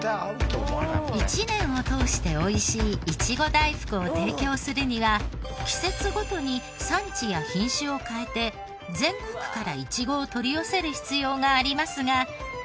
一年を通して美味しいいちご大福を提供するには季節ごとに産地や品種を変えて全国からいちごを取り寄せる必要がありますが。